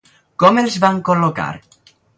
Com els van col·locar?